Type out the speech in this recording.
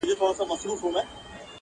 • په خپلو کړو به ګاونډي ویاړی -